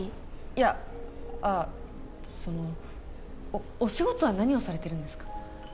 いやああそのおお仕事は何をされてるんですか？